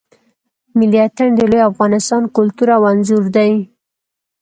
ملی آتڼ د لوی افغانستان کلتور او آنځور دی.